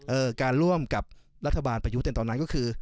การร่วมกับรัฐบาลประยุทธ์ในตอนนั้นก็คือ